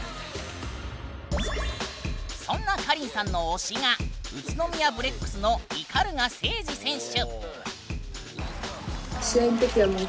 そんなかりんさんの推しが宇都宮ブレックスの鵤誠司選手。